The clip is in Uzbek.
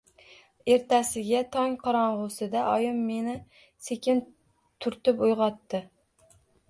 Ertasiga tong qorong‘isida oyim meni sekin turtib uyg‘otdi.